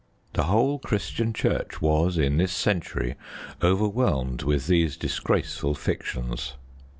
The whole Christian Church was, in this century, overwhelmed with these disgraceful fictions.